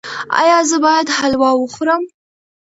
ایا زه باید حلوا وخورم؟